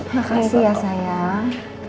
makasih ya sayang